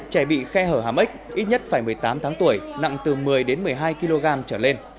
trẻ bị khe hở hám ếch ít nhất phải một mươi tám tháng tuổi nặng từ một mươi đến một mươi hai kg trở lên